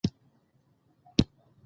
ساده کلیمه یوه مانا لري.